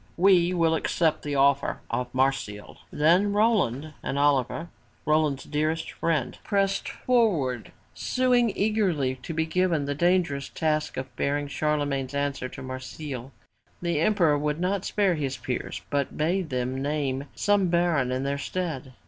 We will accept the offer of Marsile!" Then Roland and Oliver, Roland's dearest friend, pressed for 300 FROM THE TOWER WINDOW ward suing eagerly to be given the dangerous task of bearing Charlemagne's answer to Marsile. The emperor would not spare his peers but bade them name some baron in their stead.